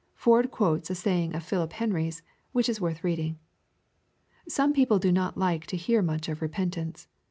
Ford quotes a saying of Philip Henry's, which is worth reading :" Some people do not like to hear much of repentance.